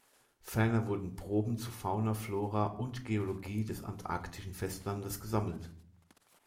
Ferner wurden Proben zu Fauna, Flora und Geologie des antarktischen Festlandes gesammelt.